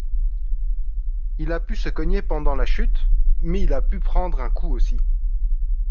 Il a pu se cogner pendant la chute, mais il a pu prendre un coup aussi.